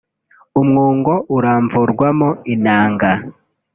umwungo uramvurwamo inanga